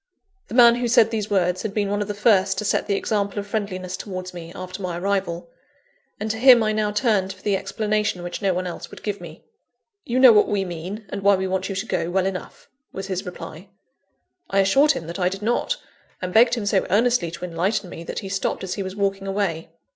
The man who said these words, had been one of the first to set the example of friendliness towards me, after my arrival; and to him I now turned for the explanation which no one else would give me. "You know what we mean, and why we want you to go, well enough," was his reply. I assured him that I did not; and begged him so earnestly to enlighten me, that he stopped as he was walking away.